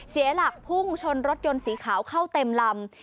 เสียหลักพุ่งชนรถยนต์สีขาวเข้าเต็มลำ